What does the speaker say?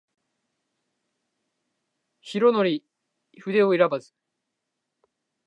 弘法筆を選ばず